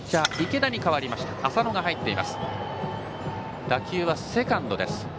池田に代わり淺野が入っています。